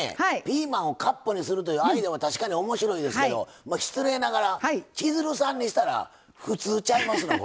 ピーマンをカップにするというアイデアは確かに面白いですけど失礼ながら千鶴さんにしたら普通ちゃいますの？